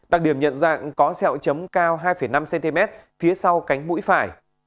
đặc điểm nhận dạng có sẹo chấm cao hai năm cm phía sau cánh mũi phải